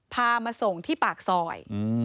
พามาส่งที่ปากซอย